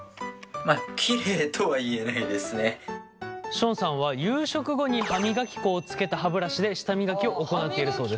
ションさんは夕食後に歯磨き粉をつけた歯ブラシで舌磨きを行っているそうです。